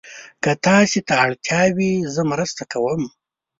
که تاسو ته اړتیا وي، زه مرسته کوم.